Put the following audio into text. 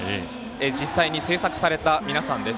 実際に制作された皆さんです。